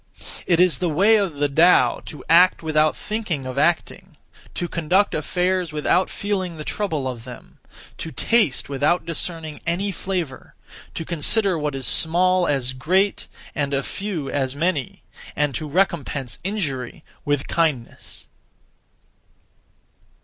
(It is the way of the Tao) to act without (thinking of) acting; to conduct affairs without (feeling the) trouble of them; to taste without discerning any flavour; to consider what is small as great, and a few as many; and to recompense injury with kindness.